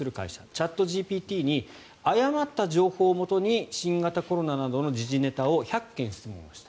チャットＧＰＴに誤った情報をもとに新型コロナなどの時事ネタを１００件質問した。